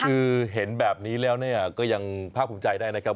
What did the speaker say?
คือเห็นแบบนี้แล้วเนี่ยก็ยังภาคภูมิใจได้นะครับ